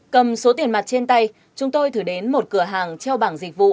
cầm số tiền mặt trên tay chúng tôi thử đến một cửa hàng treo bảng dịch vụ